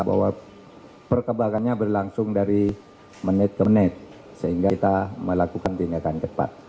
bahwa perkembangannya berlangsung dari menit ke menit sehingga kita melakukan tindakan cepat